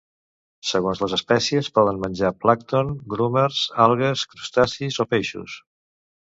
Segons les espècies poden menjar plàncton, grumers, algues, crustacis o peixos.